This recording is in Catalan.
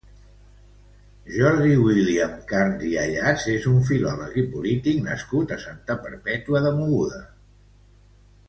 Jordi William Carnes i Ayats és un filòleg i polític nascut a Santa Perpètua de Mogoda.